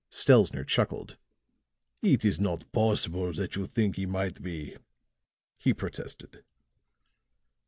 Stelzner chuckled. "It is not possible that you think he might be," he protested.